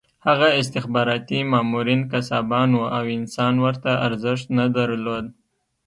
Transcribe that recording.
هغه استخباراتي مامورین قصابان وو او انسان ورته ارزښت نه درلود